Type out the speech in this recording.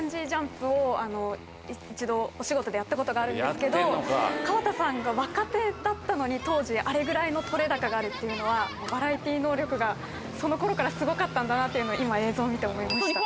一度お仕事でやったことがあるんですけど川田さんが若手だったのに当時あれぐらいの撮れ高があるっていうのは。がその頃からすごかったんだなっていうのを今映像を見て思いました。